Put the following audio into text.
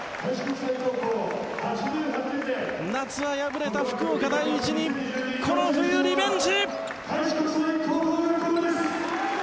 夏は敗れた福岡第一にこの冬、リベンジ！